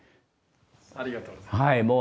ありがとうございます。